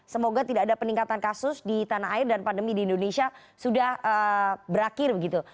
semoga tidak ada peningkatan kasus di tanah air dan pandemi di indonesia sudah berakhir begitu